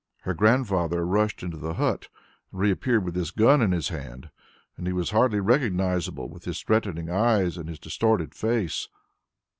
Her Grandfather rushed into the hut and re appeared with his gun in his hand. And he was hardly recognizable with his threatening eyes in his distorted face.